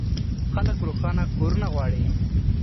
خلک روښانه کورونه غواړي.